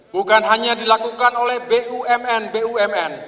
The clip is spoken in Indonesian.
bukan hanya dilakukan oleh bumn bumn